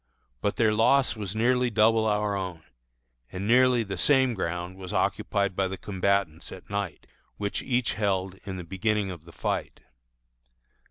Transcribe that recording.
But their loss was nearly double our own, and nearly the same ground was occupied by the combatants at night, which each held in the beginning of the fight.